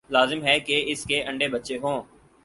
لازم ہے کہ اس کے انڈے بچے ہوں۔